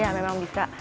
ya memang bisa